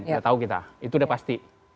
tidak tahu kita itu sudah pasti